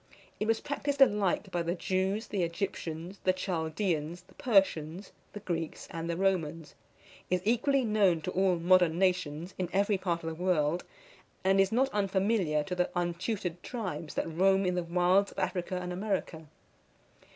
It was practised alike by the Jews, the Egyptians, the Chaldeans, the Persians, the Greeks, and the Romans; is equally known to all modern nations, in every part of the world; and is not unfamiliar to the untutored tribes that roam in the wilds of Africa and America.